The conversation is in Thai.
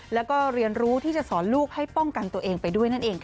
แล้วก็เรียนรู้ที่จะสอนลูกให้ป้องกันตัวเองไปด้วยนั่นเองค่ะ